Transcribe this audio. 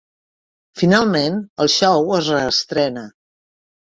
Finalment, el show es reestrena.